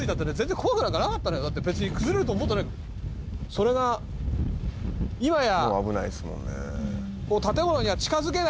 それが今や。